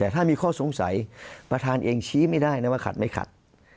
แต่ถ้ามีข้อสงสัยประธานเองชี้ไม่ได้นะว่าขัดไม่ขัด